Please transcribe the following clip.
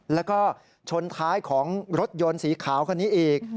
แล้วก็ชนท้ายของรถยนต์สีขาวคันนี้อีก